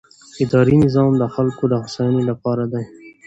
اداري نظام د خلکو د هوساینې لپاره دی.